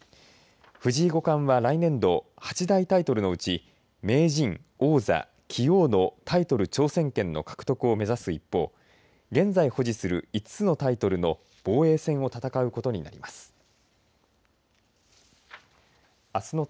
藤井五冠は来年度八大タイトルのうち名人、王座、棋王のタイトル挑戦権の獲得を目指す一方現在保持する５つのタイトルの防衛戦を戦うことになります。